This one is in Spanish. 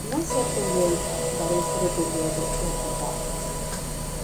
Al no ser periódico, carece de período orbital.